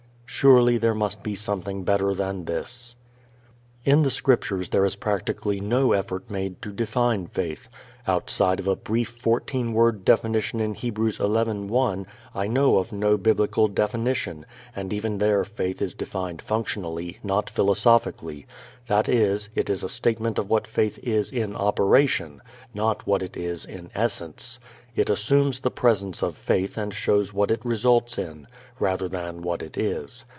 Surely there must be something better than this. In the Scriptures there is practically no effort made to define faith. Outside of a brief fourteen word definition in Hebrews 11:1, I know of no Biblical definition, and even there faith is defined functionally, not philosophically; that is, it is a statement of what faith is in operation, not what it is in essence. It assumes the presence of faith and shows what it results in, rather than what it is.